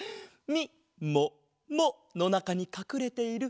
みもものなかにかくれてる？